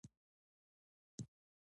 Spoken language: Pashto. افغانستان له ننګرهار ډک دی.